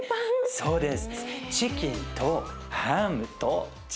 そうです。